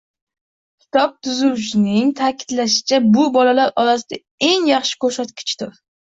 Kitob tuzuvchilarining taʼkidlashicha, bu bolalar orasida eng yaxshi koʻrsatkichdir.